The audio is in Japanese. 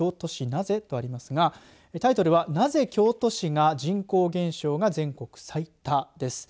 なぜとありますがなぜ、京都市が人口減少が全国最多です。